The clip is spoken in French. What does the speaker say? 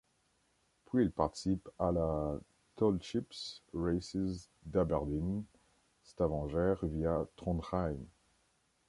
Puis il participe à la Tall Ships' Races d'Aberdeen - Stavanger via Trondheim.